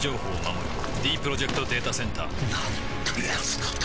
ディープロジェクト・データセンターなんてやつなんだ